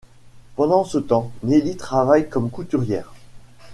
Pendant ce temps, Nellie travaille comme couturière.